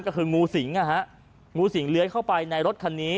ก็คืองูสิงนะฮะงูสิงเลื้อยเข้าไปในรถคันนี้